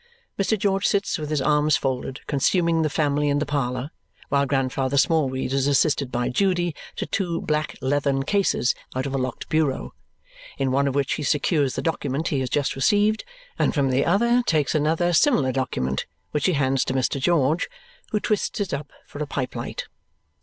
Mr. George sits, with his arms folded, consuming the family and the parlour while Grandfather Smallweed is assisted by Judy to two black leathern cases out of a locked bureau, in one of which he secures the document he has just received, and from the other takes another similar document which he hands to Mr. George, who twists it up for a pipelight.